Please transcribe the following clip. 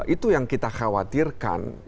itu yang kita khawatirkan